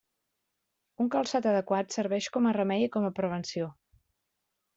Un calçat adequat serveix com a remei i com a prevenció.